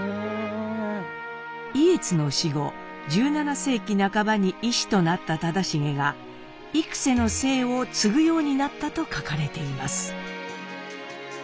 意悦の死後１７世紀半ばに医師となった忠茂が「幾瀬」の姓を継ぐようになったと書かれています。